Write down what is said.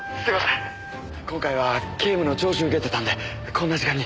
今回は警務の聴取受けてたんでこんな時間に。